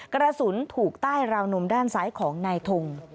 กระสุนถูกใต้ราวนมด้านซ้ายของนายทง